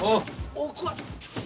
大桑さん。